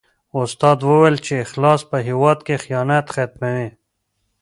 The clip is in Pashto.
استاد وویل چې اخلاص په هېواد کې خیانت ختموي.